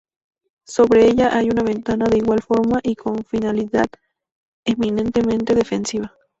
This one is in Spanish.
Sobre ella hay una ventana de igual forma y con finalidad eminentemente defensiva.